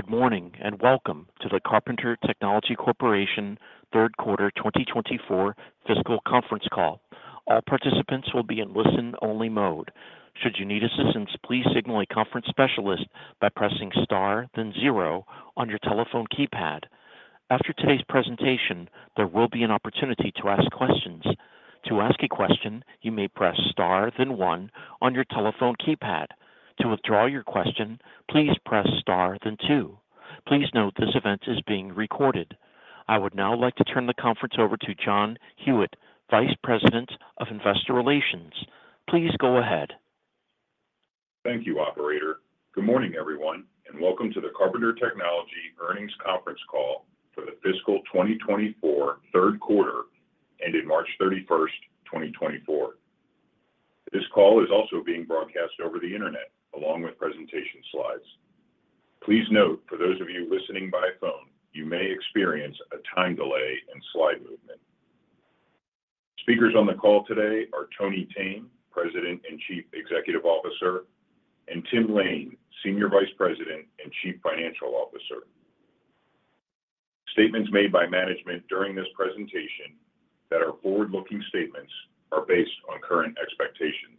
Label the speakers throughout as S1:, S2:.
S1: Good morning, and welcome to the Carpenter Technology Corporation third quarter 2024 fiscal conference call. All participants will be in listen-only mode. Should you need assistance, please signal a conference specialist by pressing Star, then zero on your telephone keypad. After today's presentation, there will be an opportunity to ask questions. To ask a question, you may press Star then one on your telephone keypad. To withdraw your question, please press Star, then two. Please note, this event is being recorded. I would now like to turn the conference over to John Hewitt, Vice President of Investor Relations. Please go ahead.
S2: Thank you, operator. Good morning, everyone, and welcome to the Carpenter Technology Earnings Conference call for the fiscal 2024 third quarter ended March 31, 2024. This call is also being broadcast over the internet, along with presentation slides. Please note, for those of you listening by phone, you may experience a time delay in slide movement. Speakers on the call today are Tony Thene, President and Chief Executive Officer, and Tim Lain, Senior Vice President and Chief Financial Officer. Statements made by management during this presentation that are forward-looking statements are based on current expectations.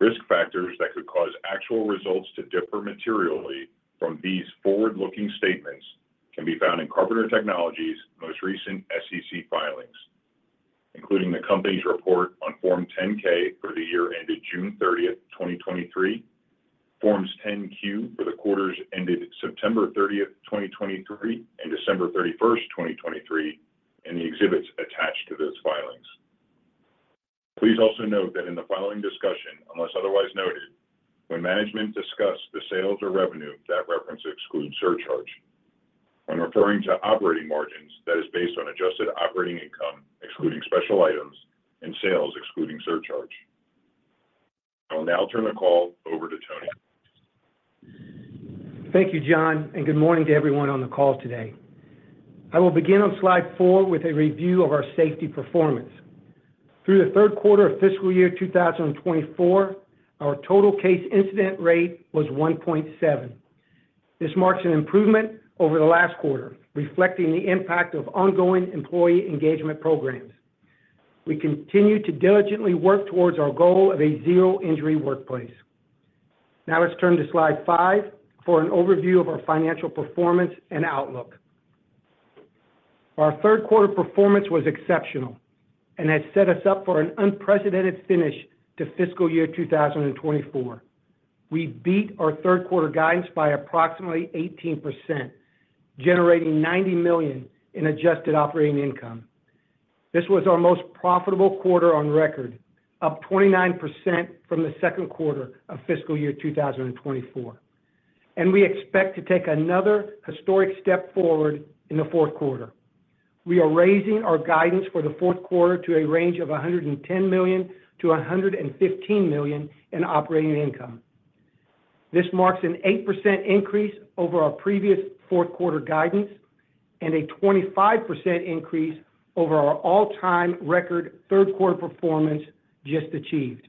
S2: Risk factors that could cause actual results to differ materially from these forward-looking statements can be found in Carpenter Technology's most recent SEC filings, including the company's report on Form 10-K for the year ended June 30, 2023, Forms 10-Q for the quarters ended September 30, 2023, and December 31, 2023, and the exhibits attached to those filings. Please also note that in the following discussion, unless otherwise noted, when management discuss the sales or revenue, that reference excludes surcharge. When referring to operating margins, that is based on adjusted operating income, excluding special items and sales, excluding surcharge. I will now turn the call over to Tony.
S3: Thank you, John, and good morning to everyone on the call today. I will begin on slide 4 with a review of our safety performance. Through the third quarter of fiscal year 2024, our total case incident rate was 1.7. This marks an improvement over the last quarter, reflecting the impact of ongoing employee engagement programs. We continue to diligently work towards our goal of a zero-injury workplace. Now, let's turn to slide 5 for an overview of our financial performance and outlook. Our third quarter performance was exceptional and has set us up for an unprecedented finish to fiscal year 2024. We beat our third quarter guidance by approximately 18%, generating $90 million in adjusted operating income. This was our most profitable quarter on record, up 29% from the second quarter of fiscal year 2024. We expect to take another historic step forward in the fourth quarter. We are raising our guidance for the fourth quarter to a range of $110 million to $115 million in operating income. This marks an 8% increase over our previous fourth quarter guidance and a 25% increase over our all-time record third quarter performance just achieved.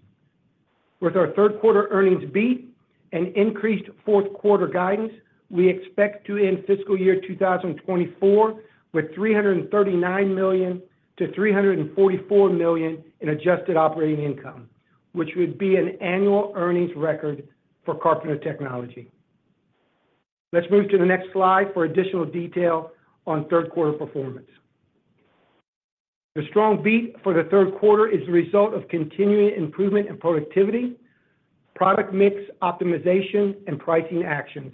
S3: With our third quarter earnings beat and increased fourth quarter guidance, we expect to end fiscal year 2024 with $339 million to $344 million in adjusted operating income, which would be an annual earnings record for Carpenter Technology. Let's move to the next slide for additional detail on third quarter performance. The strong beat for the third quarter is the result of continuing improvement in productivity, product mix optimization, and pricing actions.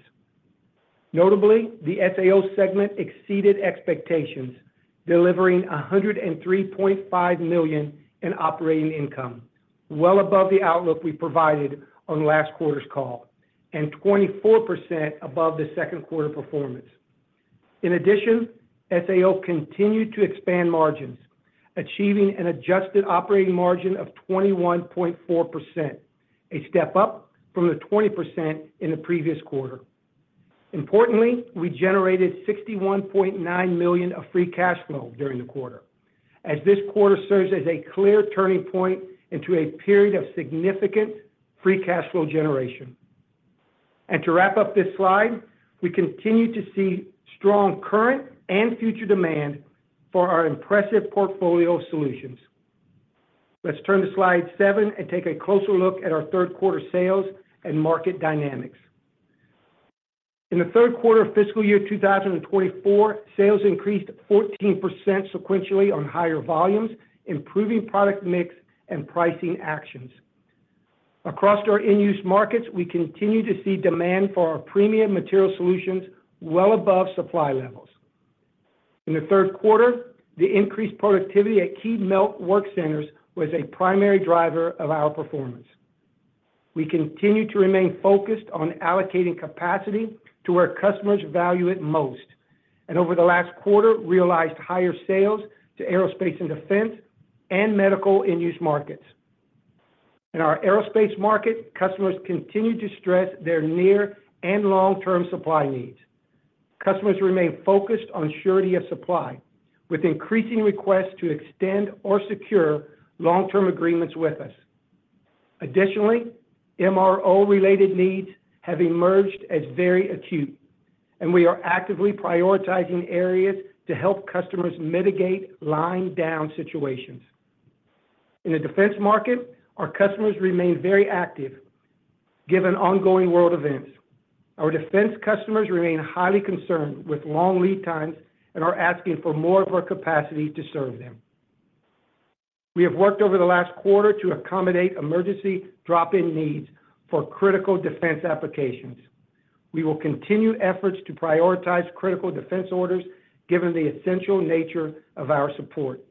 S3: Notably, the SAO segment exceeded expectations, delivering $103.5 million in operating income, well above the outlook we provided on last quarter's call, and $24 million above the second quarter performance. In addition, SAO continued to expand margins, achieving an adjusted operating margin of 21.4%, a step up from the 20% in the previous quarter. Importantly, we generated $61.9 million of free cash flow during the quarter, as this quarter serves as a clear turning point into a period of significant free cash flow generation. To wrap up this slide, we continue to see strong current and future demand for our impressive portfolio of solutions. Let's turn to slide seven and take a closer look at our third quarter sales and market dynamics. In the third quarter of fiscal year 2024, sales increased 14% sequentially on higher volumes, improving product mix and pricing actions. Across our end-use markets, we continue to see demand for our premium material solutions well above supply levels. In the third quarter, the increased productivity at key melt work centers was a primary driver of our performance. We continue to remain focused on allocating capacity to where customers value it most, and over the last quarter, realized higher sales to aerospace and defense and medical end-use markets. In our aerospace market, customers continued to stress their near and long-term supply needs. Customers remain focused on surety of supply, with increasing requests to extend or secure long-term agreements with us. Additionally, MRO-related needs have emerged as very acute, and we are actively prioritizing areas to help customers mitigate line down situations. In the defense market, our customers remain very active, given ongoing world events. Our defense customers remain highly concerned with long lead times and are asking for more of our capacity to serve them. We have worked over the last quarter to accommodate emergency drop-in needs for critical defense applications. We will continue efforts to prioritize critical defense orders, given the essential nature of our support.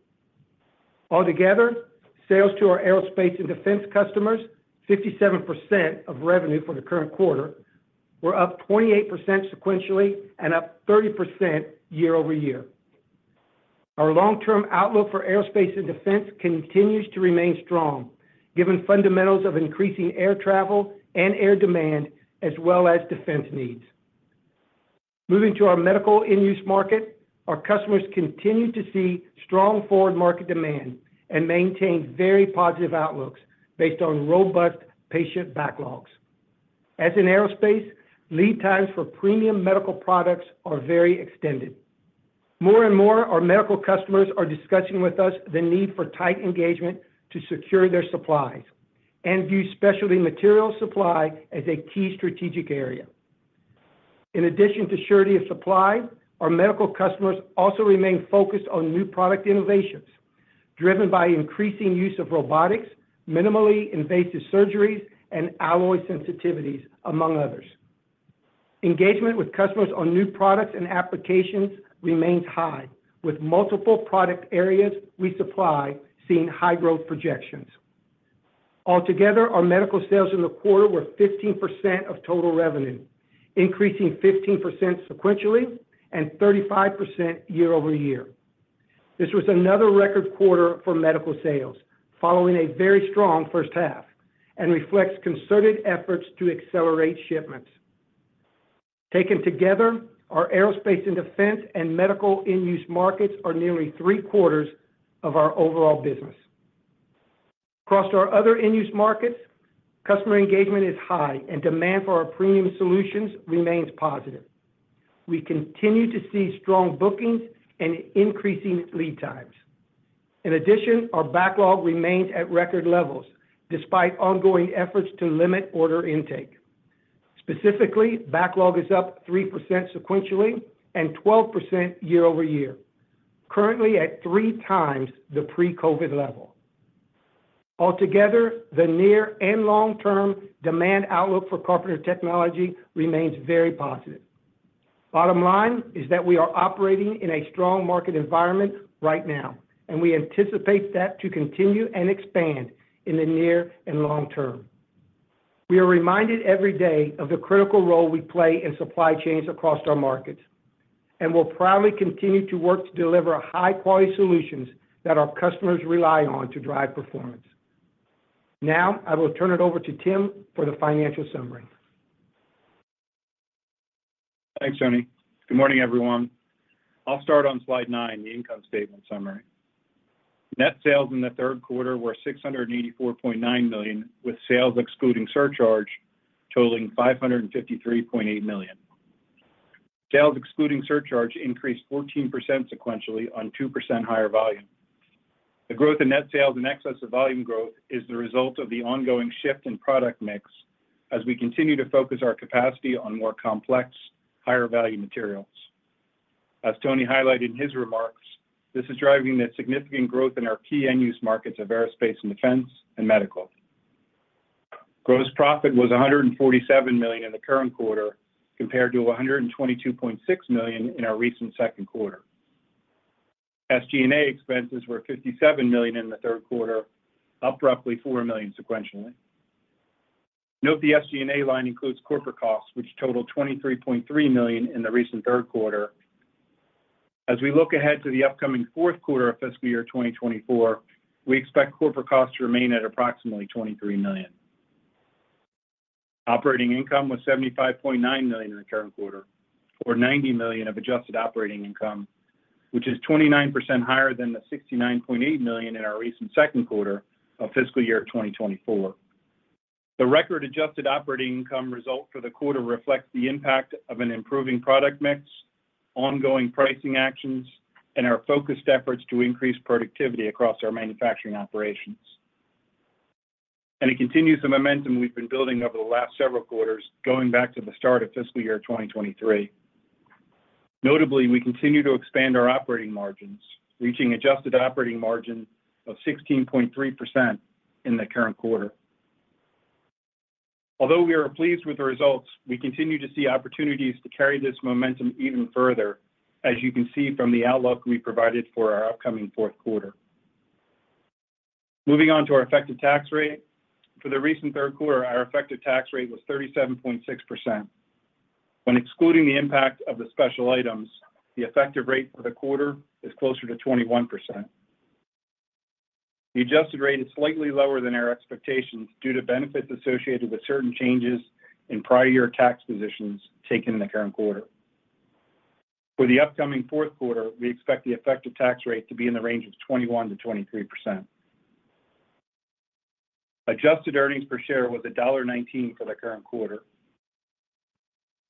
S3: Altogether, sales to our aerospace and defense customers, 57% of revenue for the current quarter, were up 28% sequentially and up 30% year-over-year. Our long-term outlook for aerospace and defense continues to remain strong, given fundamentals of increasing air travel and air demand, as well as defense needs. Moving to our medical end-use market, our customers continue to see strong forward market demand and maintain very positive outlooks based on robust patient backlogs. As in aerospace, lead times for premium medical products are very extended. More and more, our medical customers are discussing with us the need for tight engagement to secure their supplies and view specialty material supply as a key strategic area. In addition to surety of supply, our medical customers also remain focused on new product innovations, driven by increasing use of robotics, minimally invasive surgeries, and alloy sensitivities, among others. Engagement with customers on new products and applications remains high, with multiple product areas we supply seeing high growth projections. Altogether, our medical sales in the quarter were 15% of total revenue, increasing 15% sequentially and 35% year over year. This was another record quarter for medical sales, following a very strong first half, and reflects concerted efforts to accelerate shipments. Taken together, our aerospace and defense and medical end-use markets are nearly three-quarters of our overall business. Across our other end-use markets, customer engagement is high, and demand for our premium solutions remains positive. We continue to see strong bookings and increasing lead times. In addition, our backlog remains at record levels despite ongoing efforts to limit order intake. Specifically, backlog is up 3% sequentially and 12% year-over-year, currently at three times the pre-COVID level. Altogether, the near and long-term demand outlook for Carpenter Technology remains very positive. Bottom line is that we are operating in a strong market environment right now, and we anticipate that to continue and expand in the near and long term. We are reminded every day of the critical role we play in supply chains across our markets, and we'll proudly continue to work to deliver high-quality solutions that our customers rely on to drive performance. Now, I will turn it over to Tim for the financial summary.
S4: Thanks, Tony. Good morning, everyone. I'll start on slide 9, the income statement summary. Net sales in the third quarter were $684.9 million, with sales excluding surcharge totaling $553.8 million. Sales, excluding surcharge, increased 14% sequentially on 2% higher volume. The growth in net sales in excess of volume growth is the result of the ongoing shift in product mix as we continue to focus our capacity on more complex, higher-value materials. As Tony highlighted in his remarks, this is driving the significant growth in our key end-use markets of aerospace and defense and medical. Gross profit was $147 million in the current quarter, compared to $122.6 million in our recent second quarter. SG&A expenses were $57 million in the third quarter, up roughly $4 million sequentially. Note, the SG&A line includes corporate costs, which totaled $23.3 million in the recent third quarter. As we look ahead to the upcoming fourth quarter of fiscal year 2024, we expect corporate costs to remain at approximately $23 million. Operating income was $75.9 million in the current quarter, or $90 million of adjusted operating income, which is 29% higher than the $69.8 million in our recent second quarter of fiscal year 2024. The record adjusted operating income result for the quarter reflects the impact of an improving product mix, ongoing pricing actions, and our focused efforts to increase productivity across our manufacturing operations. And it continues the momentum we've been building over the last several quarters, going back to the start of fiscal year 2023. Notably, we continue to expand our operating margins, reaching adjusted operating margin of 16.3% in the current quarter. Although we are pleased with the results, we continue to see opportunities to carry this momentum even further, as you can see from the outlook we provided for our upcoming fourth quarter. Moving on to our effective tax rate. For the recent third quarter, our effective tax rate was 37.6%. When excluding the impact of the special items, the effective rate for the quarter is closer to 21%.... The adjusted rate is slightly lower than our expectations due to benefits associated with certain changes in prior year tax positions taken in the current quarter. For the upcoming fourth quarter, we expect the effective tax rate to be in the range of 21% to 23%. Adjusted earnings per share was $1.19 for the current quarter.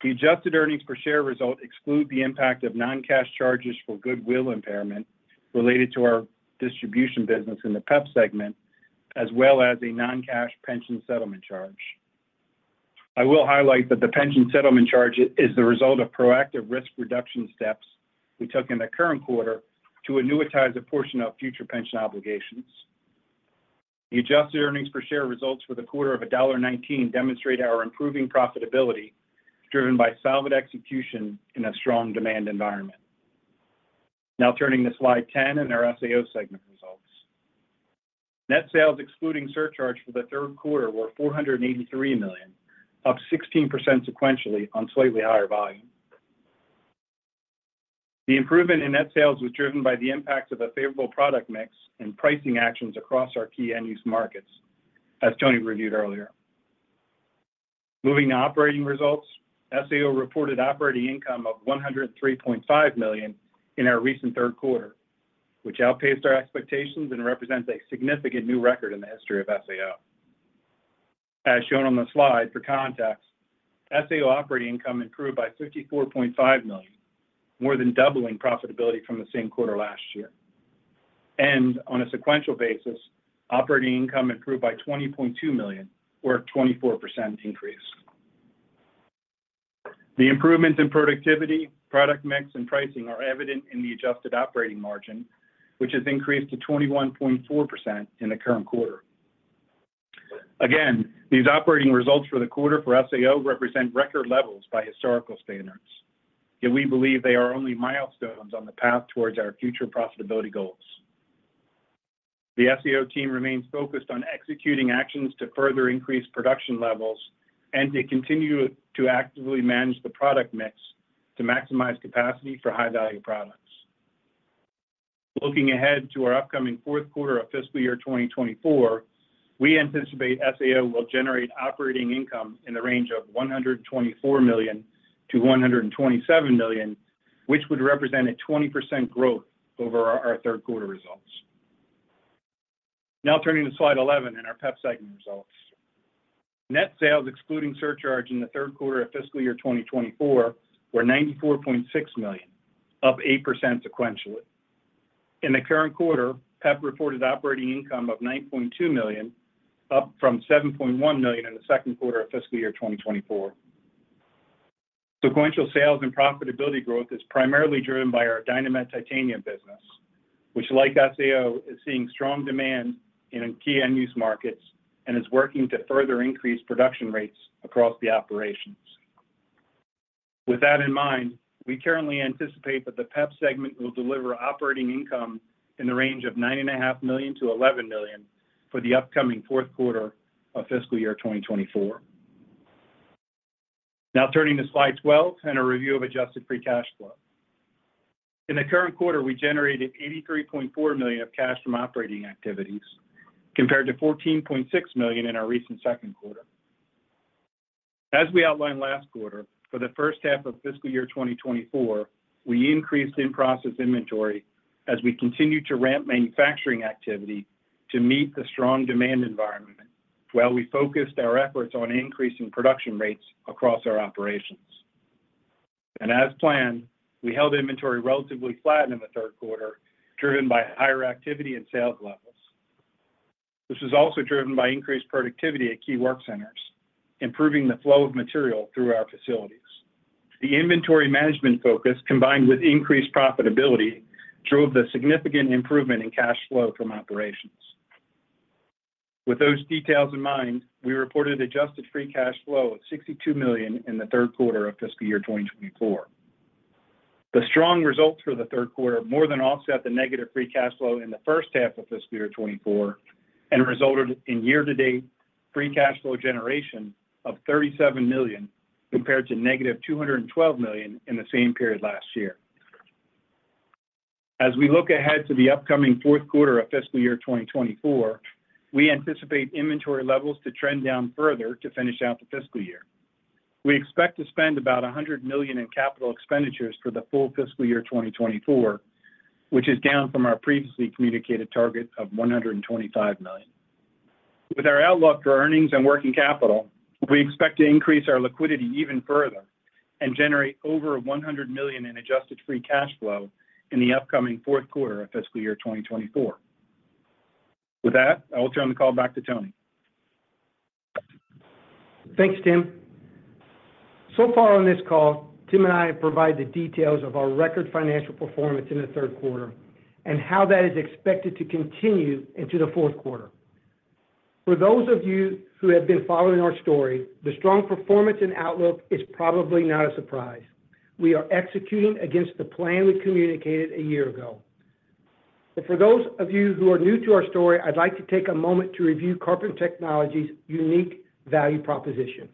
S4: The Adjusted Earnings Per Share result exclude the impact of non-cash charges for goodwill impairment related to our distribution business in the PEP segment, as well as a non-cash pension settlement charge. I will highlight that the pension settlement charge is the result of proactive risk reduction steps we took in the current quarter to annuitize a portion of future pension obligations. The Adjusted Earnings Per Share results for the quarter of $1.19 demonstrate our improving profitability, driven by solid execution in a strong demand environment. Now turning to slide 10 and our SAO segment results. Net sales, excluding surcharge, for the third quarter were $483 million, up 16% sequentially on slightly higher volume. The improvement in net sales was driven by the impact of a favorable product mix and pricing actions across our key end-use markets, as Tony reviewed earlier. Moving to operating results, SAO reported operating income of $103.5 million in our recent third quarter, which outpaced our expectations and represents a significant new record in the history of SAO. As shown on the slide, for context, SAO operating income improved by $54.5 million, more than doubling profitability from the same quarter last year. On a sequential basis, operating income improved by $20.2 million, or a 24% increase. The improvements in productivity, product mix, and pricing are evident in the adjusted operating margin, which has increased to 21.4% in the current quarter. Again, these operating results for the quarter for SAO represent record levels by historical standards, yet we believe they are only milestones on the path towards our future profitability goals. The SAO team remains focused on executing actions to further increase production levels, and they continue to actively manage the product mix to maximize capacity for high-value products. Looking ahead to our upcoming fourth quarter of fiscal year 2024, we anticipate SAO will generate operating income in the range of $124 million to $127 million, which would represent a 20% growth over our third quarter results. Now turning to slide 11 and our PEP segment results. Net sales, excluding surcharge, in the third quarter of fiscal year 2024 were $94.6 million, up 8% sequentially. In the current quarter, PEP reported operating income of $9.2 million, up from $7.1 million in the second quarter of fiscal year 2024. Sequential sales and profitability growth is primarily driven by our Dynamet titanium business, which, like SAO, is seeing strong demand in key end-use markets and is working to further increase production rates across the operations. With that in mind, we currently anticipate that the PEP segment will deliver operating income in the range of $9.5 million to $11 million for the upcoming fourth quarter of fiscal year 2024. Now turning to slide 12 and a review of adjusted free cash flow. In the current quarter, we generated $83.4 million of cash from operating activities, compared to $14.6 million in our recent second quarter. As we outlined last quarter, for the first half of fiscal year 2024, we increased in-process inventory as we continued to ramp manufacturing activity to meet the strong demand environment, while we focused our efforts on increasing production rates across our operations. As planned, we held inventory relatively flat in the third quarter, driven by higher activity and sales levels. This was also driven by increased productivity at key work centers, improving the flow of material through our facilities. The inventory management focus, combined with increased profitability, drove the significant improvement in cash flow from operations. With those details in mind, we reported adjusted free cash flow of $62 million in the third quarter of fiscal year 2024. The strong results for the third quarter more than offset the negative free cash flow in the first half of fiscal year 2024 and resulted in year-to-date free cash flow generation of $37 million, compared to negative $212 million in the same period last year. As we look ahead to the upcoming fourth quarter of fiscal year 2024, we anticipate inventory levels to trend down further to finish out the fiscal year. We expect to spend about $100 million in capital expenditures for the full fiscal year 2024, which is down from our previously communicated target of $125 million. With our outlook for earnings and working capital, we expect to increase our liquidity even further and generate over $100 million in adjusted free cash flow in the upcoming fourth quarter of fiscal year 2024. With that, I will turn the call back to Tony.
S3: Thanks, Tim. So far on this call, Tim and I have provided the details of our record financial performance in the third quarter and how that is expected to continue into the fourth quarter. For those of you who have been following our story, the strong performance and outlook is probably not a surprise. We are executing against the plan we communicated a year ago. But for those of you who are new to our story, I'd like to take a moment to review Carpenter Technology's unique value proposition....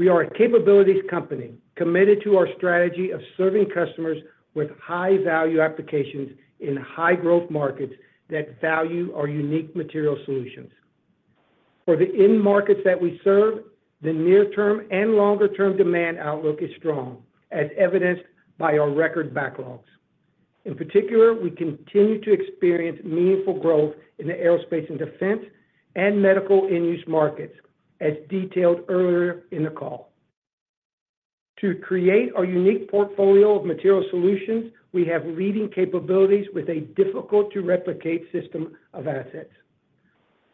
S3: We are a capabilities company, committed to our strategy of serving customers with high-value applications in high-growth markets that value our unique material solutions. For the end markets that we serve, the near-term and longer-term demand outlook is strong, as evidenced by our record backlogs. In particular, we continue to experience meaningful growth in the aerospace and defense and medical end-use markets, as detailed earlier in the call. To create our unique portfolio of material solutions, we have leading capabilities with a difficult-to-replicate system of assets.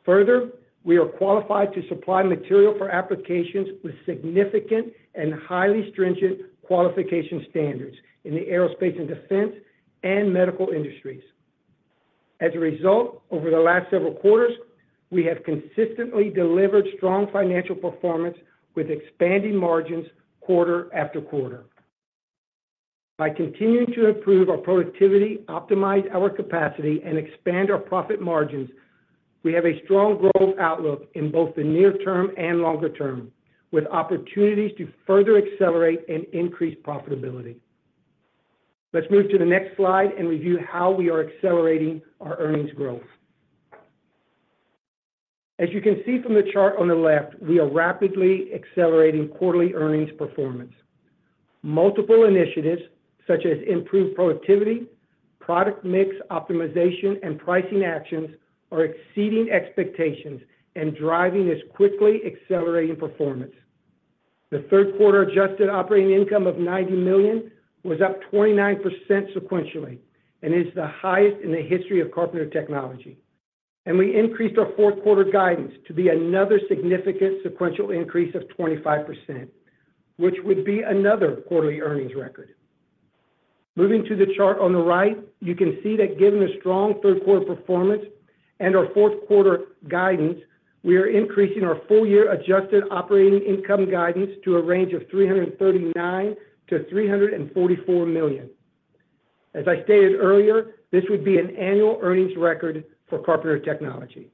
S3: Further, we are qualified to supply material for applications with significant and highly stringent qualification standards in the aerospace and defense and medical industries. As a result, over the last several quarters, we have consistently delivered strong financial performance with expanding margins quarter after quarter. By continuing to improve our productivity, optimize our capacity, and expand our profit margins, we have a strong growth outlook in both the near term and longer term, with opportunities to further accelerate and increase profitability. Let's move to the next slide and review how we are accelerating our earnings growth. As you can see from the chart on the left, we are rapidly accelerating quarterly earnings performance. Multiple initiatives, such as improved productivity, product mix optimization, and pricing actions, are exceeding expectations and driving this quickly accelerating performance. The third quarter adjusted operating income of $90 million was up 29% sequentially and is the highest in the history of Carpenter Technology. And we increased our fourth quarter guidance to be another significant sequential increase of 25%, which would be another quarterly earnings record. Moving to the chart on the right, you can see that given the strong third quarter performance and our fourth quarter guidance, we are increasing our full-year adjusted operating income guidance to a range of $339 million to $344 million. As I stated earlier, this would be an annual earnings record for Carpenter Technology.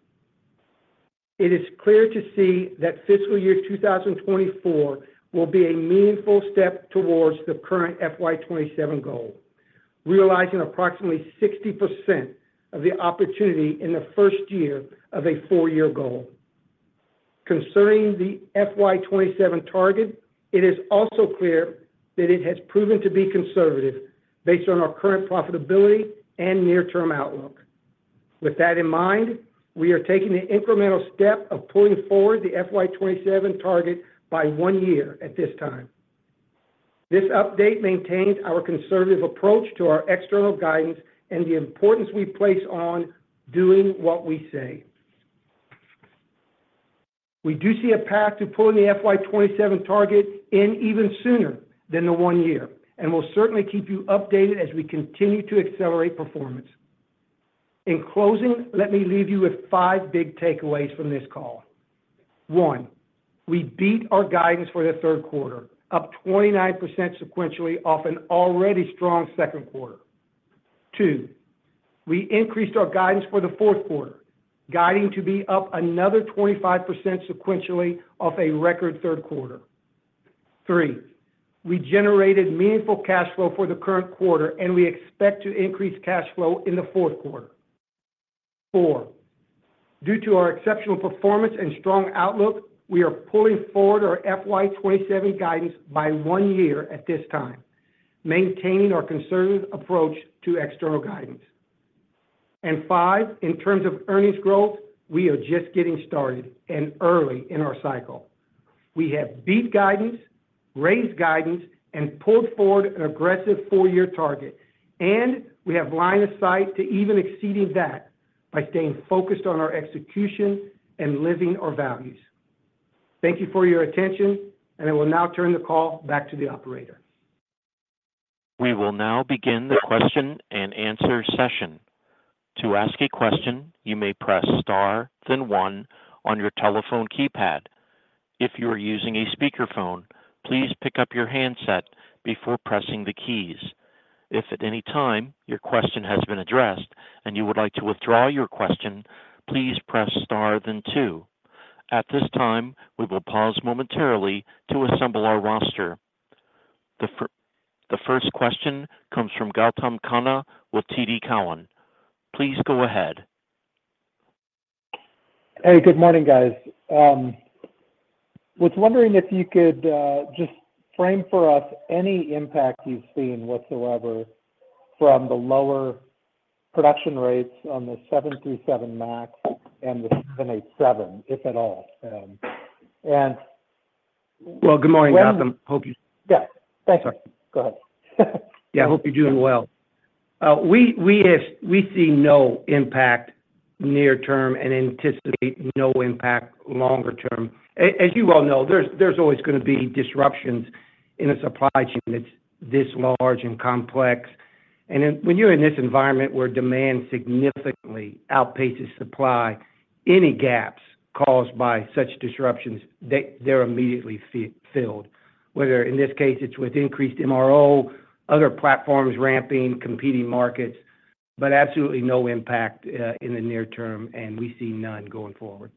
S3: It is clear to see that fiscal year 2024 will be a meaningful step towards the current FY 2027 goal, realizing approximately 60% of the opportunity in the first year of a 4-year goal. Concerning the FY 2027 target, it is also clear that it has proven to be conservative based on our current profitability and near-term outlook. With that in mind, we are taking the incremental step of pulling forward the FY 2027 target by 1 year at this time. This update maintains our conservative approach to our external guidance and the importance we place on doing what we say. We do see a path to pulling the FY 2027 target in even sooner than the 1 year, and we'll certainly keep you updated as we continue to accelerate performance. In closing, let me leave you with 5 big takeaways from this call. One, we beat our guidance for the third quarter, up 29% sequentially off an already strong second quarter. Two, we increased our guidance for the fourth quarter, guiding to be up another 25% sequentially off a record third quarter. Three, we generated meaningful cash flow for the current quarter, and we expect to increase cash flow in the fourth quarter. Four, due to our exceptional performance and strong outlook, we are pulling forward our FY 2027 guidance by one year at this time, maintaining our conservative approach to external guidance. And five, in terms of earnings growth, we are just getting started and early in our cycle. We have beat guidance, raised guidance, and pulled forward an aggressive four-year target, and we have line of sight to even exceeding that by staying focused on our execution and living our values. Thank you for your attention, and I will now turn the call back to the operator.
S1: We will now begin the question and answer session. To ask a question, you may press Star, then one on your telephone keypad. If you are using a speakerphone, please pick up your handset before pressing the keys. If at any time your question has been addressed and you would like to withdraw your question, please press Star then two. At this time, we will pause momentarily to assemble our roster. The first question comes from Gautam Khanna with TD Cowen. Please go ahead.
S5: Hey, good morning, guys. Was wondering if you could just frame for us any impact you've seen whatsoever from the lower production rates on the 737 MAX and the 787, if at all?
S3: Well, good morning, Gautam. Hope you-
S5: Yeah. Thank you.
S3: Sorry.
S5: Go ahead.
S3: Yeah, I hope you're doing well. We see no impact near term and anticipate no impact longer term. As you well know, there's always gonna be disruptions in a supply chain that's this large and complex. And then when you're in this environment where demand significantly outpaces supply, any gaps caused by such disruptions, they're immediately filled, whether in this case, it's with increased MRO, other platforms ramping, competing markets, but absolutely no impact in the near term, and we see none going forward.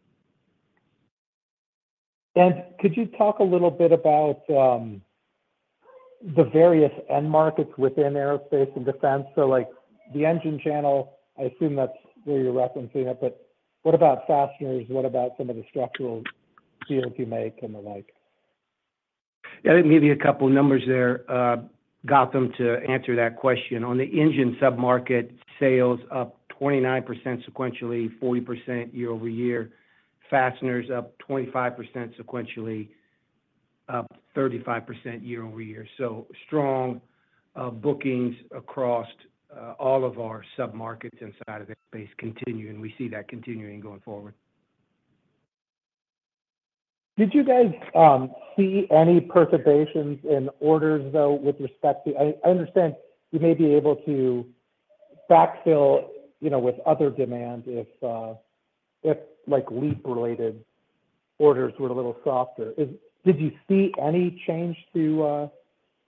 S5: Could you talk a little bit about the various end markets within aerospace and defense? So, like, the engine channel, I assume that's where you're referencing it, but what about fasteners? What about some of the structural COP make and the like?
S3: Yeah, let me give you a couple of numbers there, Gautam, to answer that question. On the engine sub-market, sales up 29% sequentially, 40% year-over-year. Fasteners up 25% sequentially, up 35% year-over-year. So strong bookings across all of our submarkets inside of aerospace continuing, we see that continuing going forward.
S5: Did you guys see any perturbations in orders, though, with respect to—I understand you may be able to backfill, you know, with other demand if, like, LEAP-related orders were a little softer. Did you see any change to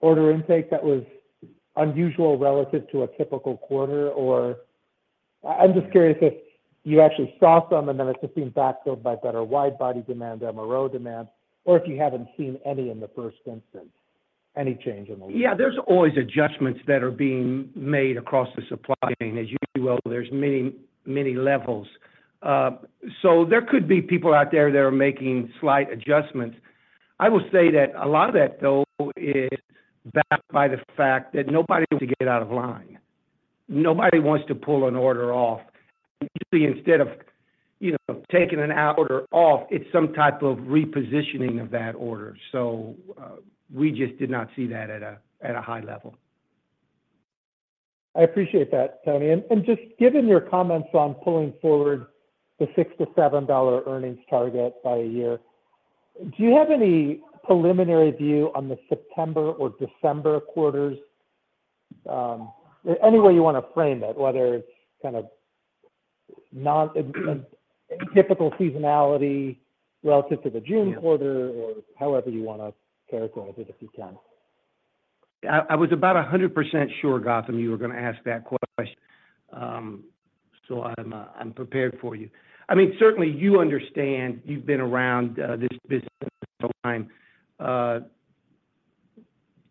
S5: order intake that was unusual relative to a typical quarter? Or I'm just curious if you actually saw some and then it's just been backfilled by better wide-body demand, MRO demand, or if you haven't seen any in the first instance, any change in the lead?
S3: Yeah, there's always adjustments that are being made across the supply chain. As you well know, there's many, many levels. So there could be people out there that are making slight adjustments. I will say that a lot of that, though, is backed by the fact that nobody wants to get out of line. Nobody wants to pull an order off. Usually, instead of, you know, taking an order off, it's some type of repositioning of that order. So, we just did not see that at a high level.
S5: I appreciate that, Tony. And just given your comments on pulling forward the $6 to $7 earnings target by a year, do you have any preliminary view on the September or December quarters? Any way you wanna frame it, whether it's kind of non-typical seasonality relative to the June quarter-
S3: Yeah...
S5: or however you wanna characterize it, if you can.
S3: I, I was about 100% sure, Gautam, you were gonna ask that question. So I'm, I'm prepared for you. I mean, certainly, you understand, you've been around this business for a long time,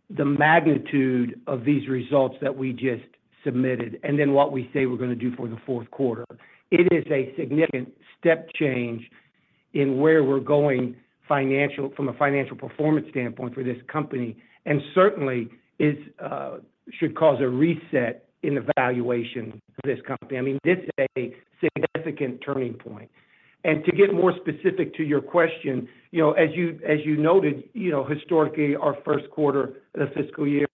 S3: the magnitude of these results that we just submitted, and then what we say we're gonna do for the fourth quarter. It is a significant step change in where we're going financial from a financial performance standpoint for this company, and certainly is should cause a reset in the valuation of this company. I mean, this is a significant turning point. To get more specific to your question, you know, as you, as you noted, you know, historically, our first quarter of the fiscal year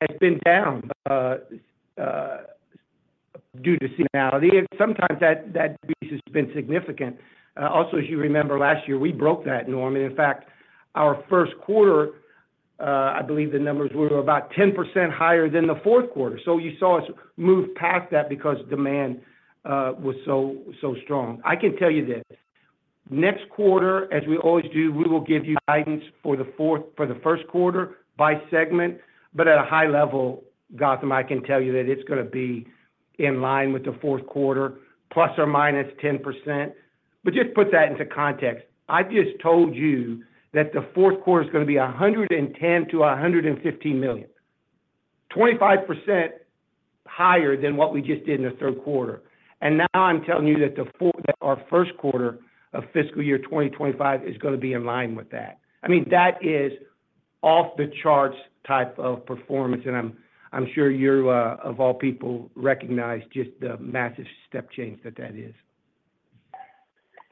S3: has been down due to seasonality, and sometimes that, that piece has been significant. Also, as you remember, last year, we broke that norm. And in fact, our first quarter, I believe the numbers were about 10% higher than the fourth quarter. So you saw us move past that because demand was so, so strong. I can tell you this, next quarter, as we always do, we will give you guidance for the fourth—for the first quarter by segment, but at a high level, Gautam, I can tell you that it's gonna be in line with the fourth quarter, ±10%. But just put that into context. I just told you that the fourth quarter is gonna be $110 million to $115 million, 25% higher than what we just did in the third quarter. Now I'm telling you that our first quarter of fiscal year 2025 is gonna be in line with that. I mean, that is off-the-charts type of performance, and I'm sure you, of all people, recognize just the massive step change that that is.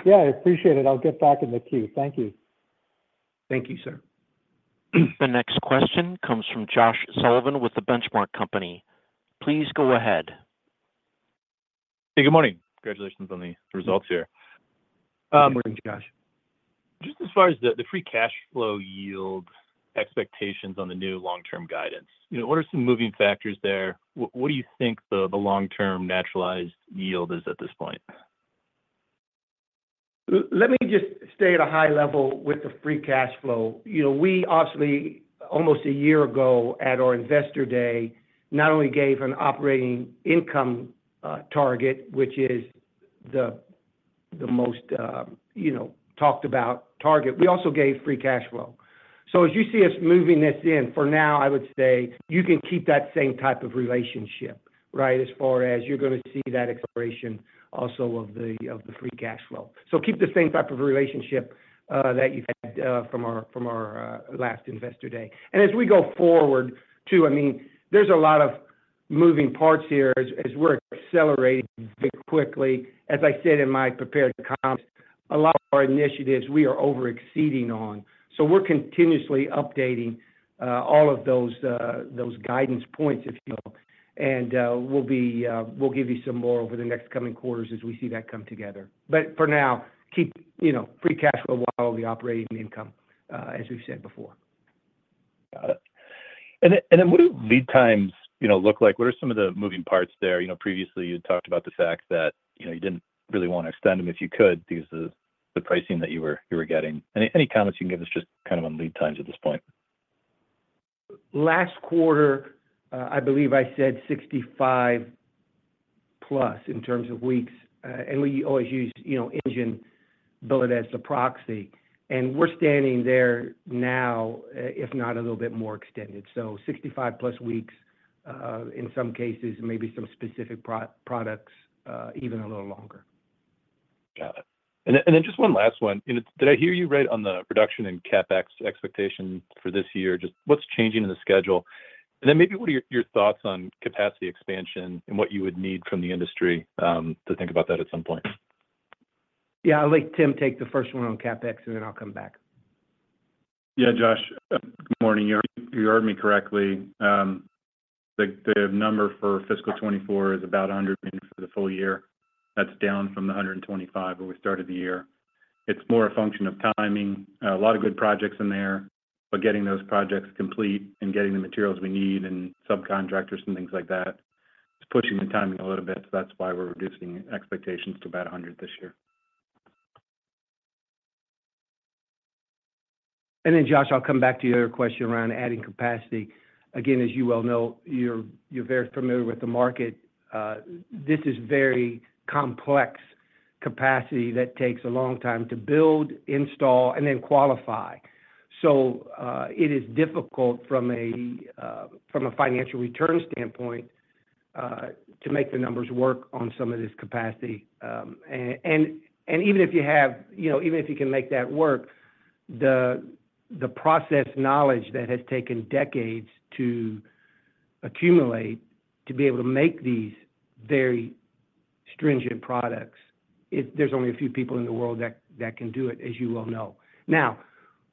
S5: Yeah, I appreciate it. I'll get back in the queue. Thank you.
S3: Thank you, sir.
S1: The next question comes from Josh Sullivan with The Benchmark Company. Please go ahead.
S6: Hey, good morning. Congratulations on the results here.
S3: Good morning, Josh.
S6: Just as far as the free cash flow yield expectations on the new long-term guidance, you know, what are some moving factors there? What do you think the long-term naturalized yield is at this point?
S3: Let me just stay at a high level with the free cash flow. You know, we obviously, almost a year ago at our Investor Day, not only gave an operating income target, which is the most, you know, talked about target, we also gave free cash flow. So as you see us moving this in, for now, I would say you can keep that same type of relationship, right? As far as you're gonna see that exploration also of the free cash flow. So keep the same type of relationship that you've had from our last Investor Day. And as we go forward, too, I mean, there's a lot of moving parts here as we're accelerating very quickly. As I said in my prepared comments, a lot of our initiatives we are over-exceeding on. So we're continuously updating all of those guidance points, if you will. And we'll give you some more over the next coming quarters as we see that come together. But for now, keep, you know, free cash flow while the operating income, as we've said before....
S6: And then what do lead times, you know, look like? What are some of the moving parts there? You know, previously, you talked about the fact that, you know, you didn't really want to extend them if you could, because of the pricing that you were getting. Any comments you can give us just kind of on lead times at this point?
S3: Last quarter, I believe I said 65+ in terms of weeks. And we always use, you know, engine build as the proxy, and we're standing there now, if not a little bit more extended. So 65+ weeks, in some cases, maybe some specific products, even a little longer.
S6: Got it. And then, and then just one last one. Did I hear you right on the production and CapEx expectation for this year? Just what's changing in the schedule? And then maybe what are your, your thoughts on capacity expansion and what you would need from the industry to think about that at some point?
S3: Yeah, I'll let Tim take the first one on CapEx, and then I'll come back.
S4: Yeah, Josh, good morning. You heard, you heard me correctly. The number for fiscal 2024 is about $100 million for the full year. That's down from the $125 million when we started the year. It's more a function of timing. A lot of good projects in there, but getting those projects complete and getting the materials we need and subcontractors and things like that, it's pushing the timing a little bit. So that's why we're reducing expectations to about $100 million this year.
S3: Then, Josh, I'll come back to your question around adding capacity. Again, as you well know, you're very familiar with the market. This is very complex capacity that takes a long time to build, install, and then qualify. So, it is difficult from a financial return standpoint to make the numbers work on some of this capacity. Even if you have, you know, even if you can make that work, the process knowledge that has taken decades to accumulate to be able to make these very stringent products. There's only a few people in the world that can do it, as you well know.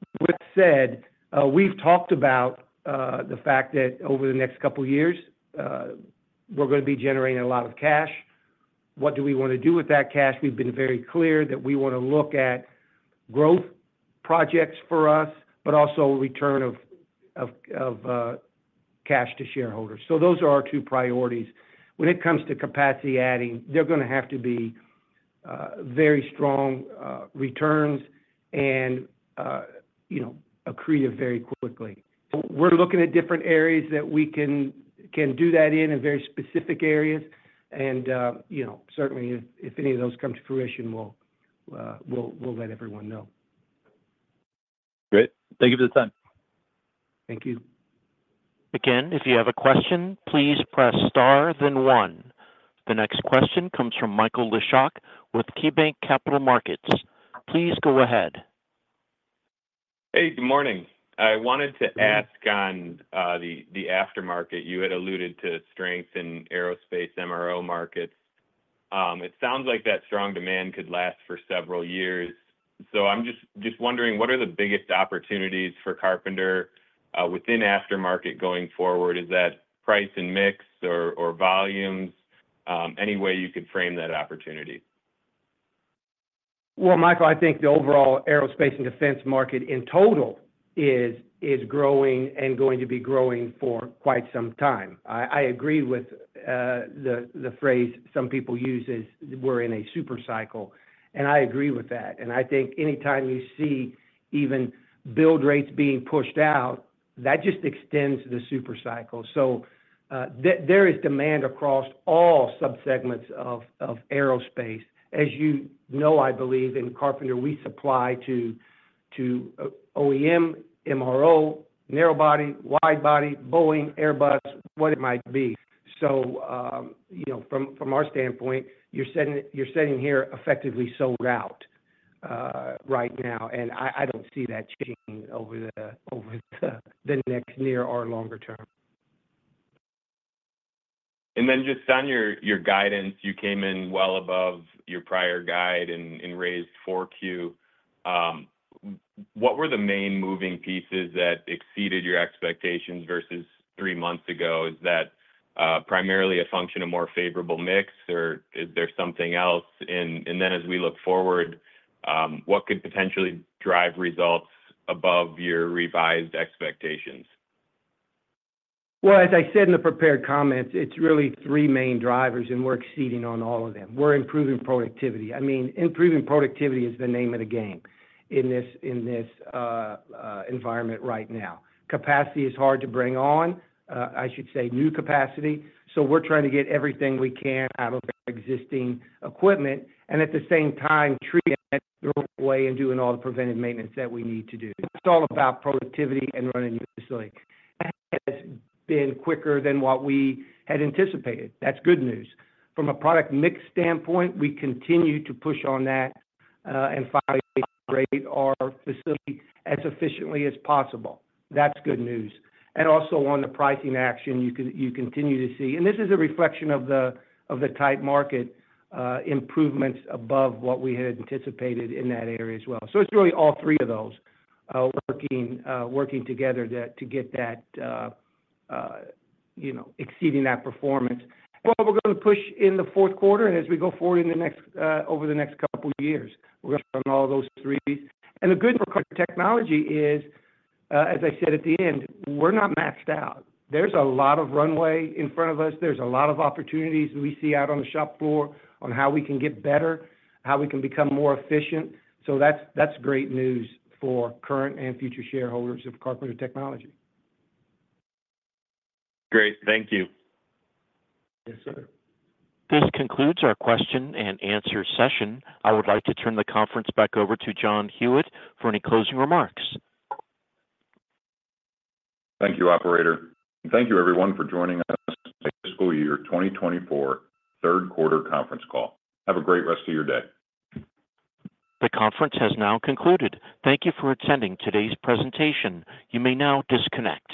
S3: Now, with that said, we've talked about the fact that over the next couple of years, we're gonna be generating a lot of cash. What do we wanna do with that cash? We've been very clear that we wanna look at growth projects for us, but also a return of cash to shareholders. So those are our two priorities. When it comes to capacity adding, they're gonna have to be very strong returns and, you know, accretive very quickly. We're looking at different areas that we can do that in very specific areas. And, you know, certainly, if any of those come to fruition, we'll let everyone know.
S6: Great. Thank you for the time.
S3: Thank you.
S1: Again, if you have a question, please press star, then one. The next question comes from Michael Leshock with KeyBanc Capital Markets. Please go ahead.
S7: Hey, good morning. I wanted to ask on the aftermarket. You had alluded to strength in aerospace MRO markets. It sounds like that strong demand could last for several years. So I'm just wondering, what are the biggest opportunities for Carpenter within aftermarket going forward? Is that price and mix or volumes? Any way you could frame that opportunity?
S3: Well, Michael, I think the overall aerospace and defense market in total is growing and going to be growing for quite some time. I agree with the phrase some people use is, we're in a super cycle, and I agree with that. And I think anytime you see even build rates being pushed out, that just extends the super cycle. So, there is demand across all subsegments of aerospace. As you know, I believe in Carpenter, we supply to OEM, MRO, narrow body, wide body, Boeing, Airbus, what it might be. So, you know, from our standpoint, you're sitting here effectively sold out right now, and I don't see that changing over the next near or longer term.
S7: And then just on your guidance, you came in well above your prior guide and raised Q4. What were the main moving pieces that exceeded your expectations versus three months ago? Is that primarily a function of more favorable mix, or is there something else? And then as we look forward, what could potentially drive results above your revised expectations?
S3: Well, as I said in the prepared comments, it's really three main drivers, and we're exceeding on all of them. We're improving productivity. I mean, improving productivity is the name of the game in this, in this environment right now. Capacity is hard to bring on, I should say, new capacity, so we're trying to get everything we can out of our existing equipment, and at the same time, treating it the right way and doing all the preventive maintenance that we need to do. It's all about productivity and running your facility. That has been quicker than what we had anticipated. That's good news. From a product mix standpoint, we continue to push on that, and find a way to operate our facility as efficiently as possible. That's good news. Also on the pricing action, you continue to see, and this is a reflection of the tight market improvements above what we had anticipated in that area as well. So it's really all three of those working together to get that you know exceeding that performance. Well, we're gonna push in the fourth quarter, and as we go forward over the next couple of years, we're gonna run all those three. And the good for Carpenter Technology is, as I said at the end, we're not maxed out. There's a lot of runway in front of us. There's a lot of opportunities we see out on the shop floor on how we can get better, how we can become more efficient. So that's great news for current and future shareholders of Carpenter Technology.
S7: Great. Thank you.
S3: Yes, sir.
S1: This concludes our question and answer session. I would like to turn the conference back over to John Hewitt for any closing remarks.
S2: Thank you, operator. Thank you, everyone, for joining us for fiscal year 2024 third quarter conference call. Have a great rest of your day.
S1: The conference has now concluded. Thank you for attending today's presentation. You may now disconnect.